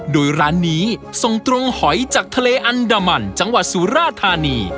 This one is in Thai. โดยร้านนี้ส่งตรงหอยจากทะเลอันดามันจังหวัดสุราธานี